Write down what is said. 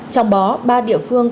trong bó ba địa phương